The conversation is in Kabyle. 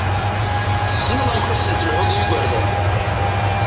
Tessneḍ amek ad sen-telḥuḍ i yigurdan!